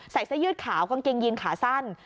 เสื้อยืดขาวกางเกงยีนขาสั้น